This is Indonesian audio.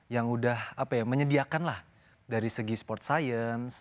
yang udah apa ya menyediakan lah dari segi sports science